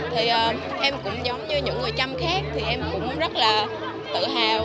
thì em cũng giống như những người chăm khác thì em cũng rất là tự hào